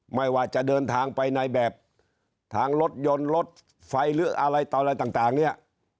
ไม่ว่าจะเดินทางไปในแบบทางรถยนต์รถไฟหรืออะไรต่ออะไรต่างเนี่ย